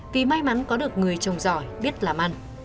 vì may mắn có đồng nghiệp thi cũng có đồng nghiệp